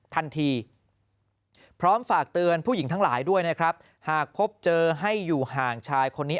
ทันทีพร้อมฝากเตือนผู้หญิงทั้งหลายด้วยนะครับหากพบเจอให้อยู่ห่างชายคนนี้